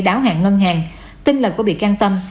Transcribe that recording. đáo hạng ngân hàng tin là của bị can tâm